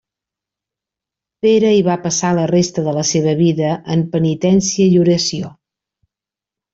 Pere hi va passar la resta de la seva vida en penitència i oració.